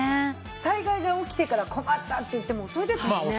災害が起きてから困ったって言っても遅いですもんね。